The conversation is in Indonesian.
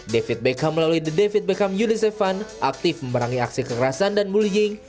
david beckham melalui the david beckham unicef fund aktif memberangi aksi kekerasan dan bullying